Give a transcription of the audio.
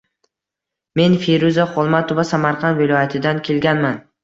Men Feruza Xolmatova Samarqand viloyatidan kelganman.